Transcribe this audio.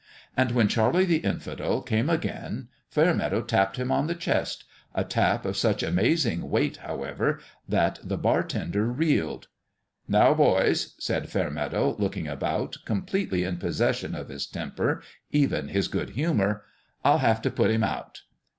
And when Charlie the Infidel came again Fair meadow tapped him on the chest a tap of such amazing weight, however, that the bartender reeled. " Now, boys," said Fairmeadow, looking about, completely in possession of his temper, even his good humour, " I'll have to put him out."